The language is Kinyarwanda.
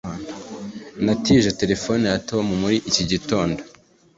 natije terefone ya tom muri iki gitondo